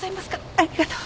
ありがとう。